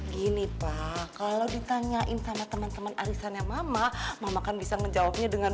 gini pak kalau ditanyain sama teman teman arisannya mama mama kan bisa menjawabnya dengan